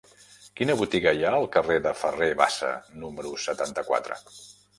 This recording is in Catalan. Quina botiga hi ha al carrer de Ferrer Bassa número setanta-quatre?